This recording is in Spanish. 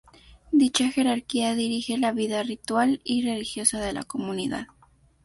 Dicha jerarquía dirige la vida ritual y religiosa de la comunidad.